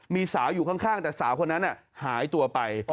มีสาวอยู่ข้างแต่สาวคนนั้นหายตัวไป